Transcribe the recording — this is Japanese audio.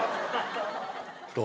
どう？